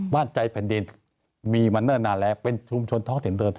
บ้านใจแผ่นดินมีมาเนิ่นนานแล้วเป็นชุมชนท้องถิ่นเดิม